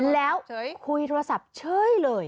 แล้วคุยทุรศัพท์เช่้ยเลย